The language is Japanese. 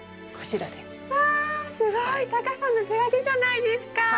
こちらで。わすごい！タカさんの手書きじゃないですか！